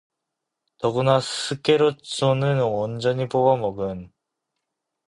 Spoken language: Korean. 더구나 스케르초는 온전히 뽑아 먹은